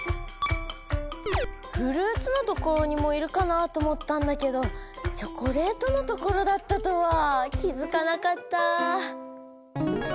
フルーツのところにもいるかなと思ったんだけどチョコレートのところだったとは気づかなかった。